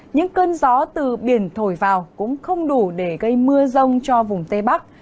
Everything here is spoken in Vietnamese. những cơn gió từ biển thổi vào cũng không đủ để gây mưa rông cho vùng tây bắc